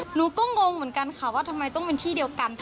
หนูก็งงเหมือนกันค่ะว่าทำไมต้องเป็นที่เดียวกัน